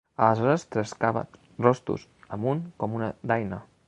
Aleshores trescava rostos amunt com una daina